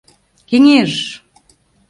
Кеҥеж!